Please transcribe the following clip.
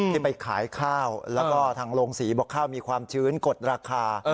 ที่ไปขายข้าวแล้วก็ทางโรงศรีบอกข้าวมีความชื้นกดราคา